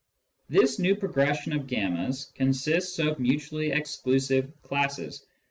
This new progression of y's consists of mutually exclusive classes.